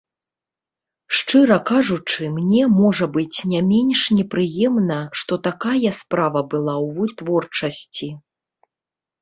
Шчыра кажучы, мне, можа быць, не менш непрыемна, што такая справа была ў вытворчасці.